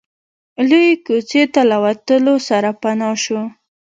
لويې کوڅې ته له وتلو سره پناه شو.